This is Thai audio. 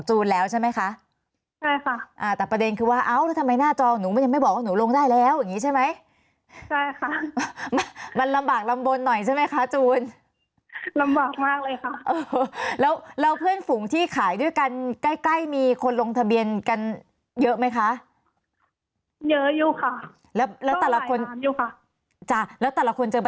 แล้วใช่ไหมคะใช่ค่ะอ่าแต่ประเด็นคือว่าเอ้าแล้วทำไมหน้าจอหนูมันยังไม่บอกว่าหนูลงได้แล้วอย่างงี้ใช่ไหมใช่ค่ะมันมันลำบากลำบลหน่อยใช่ไหมคะจูนลำบากมากเลยค่ะเออแล้วแล้วเพื่อนฝูงที่ขายด้วยกันใกล้ใกล้มีคนลงทะเบียนกันเยอะไหมคะเยอะอยู่ค่ะแล้วแล้วแต่ละคนอยู่ค่ะจ้ะแล้วแต่ละคนจะบ